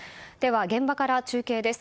現場から中継です。